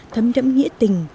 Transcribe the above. thấm đẫm nghĩa tình